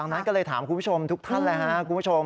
ดังนั้นก็เลยถามคุณผู้ชมทุกท่านแหละนะคุณผู้ชม